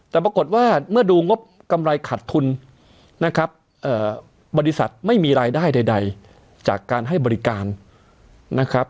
แต่ปรากฏว่าเมื่อดูงบกำไรขัดทุนนะครับบริษัทไม่มีรายได้ใดจากการให้บริการนะครับ